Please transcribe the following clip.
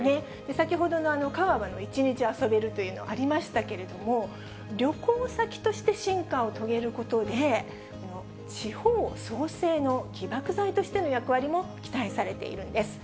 先ほどの川場の１日遊べるというのもありましたけれども、旅行先として進化を遂げることで、地方創生の起爆剤としての役割も期待されているんです。